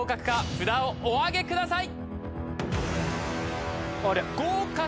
札をお挙げください。